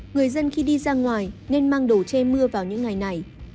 người dân khi đi ra ngoài nên mang đồ che mưa vào những ngày này